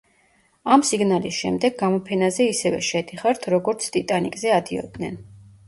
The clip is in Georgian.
ამ სიგნალის შემდეგ გამოფენაზე ისევე შედიხართ, როგორც „ტიტანიკზე“ ადიოდნენ.